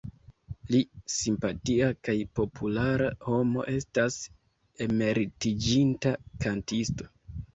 Li, simpatia kaj populara homo, estas emeritiĝinta kantisto.